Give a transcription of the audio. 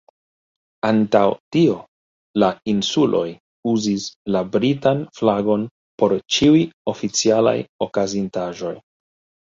Antaŭ tio, la Insuloj uzis la britan flagon por ĉiuj oficialaj okazintaĵoj.